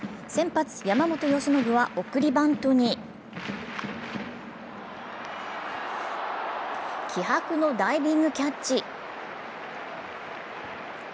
先発・山本由伸は送りバントに気迫のダイビングキャッチ。